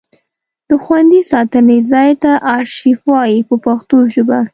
د خوندي ساتنې ځای ته ارشیف وایي په پښتو ژبه.